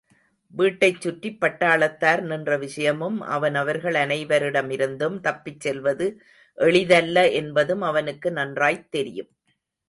வீட்டைச்சுற்றிப்பட்டாளத்தார் நின்ற விஷயமும், அவன் அவர்கள் அனைவரிடமிருந்தும் தப்பிச்செல்வது எளிதல்ல என்பதும் அவனுக்கு நன்றாய்த் தெரியும்.